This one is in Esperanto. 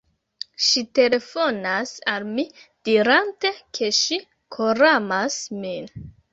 Ŝi telefonas al mi dirante ke ŝi koramas min